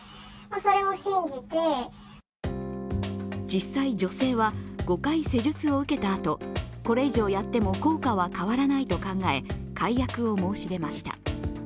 実際、女性は５回施術を受けたあとこれ以上やっても効果は変わらないと考え、解約を申し出ました。